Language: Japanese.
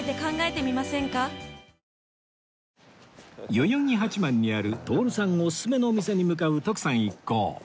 代々木八幡にある徹さんオススメのお店に向かう徳さん一行